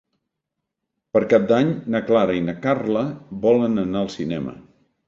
Per Cap d'Any na Clara i na Carla volen anar al cinema.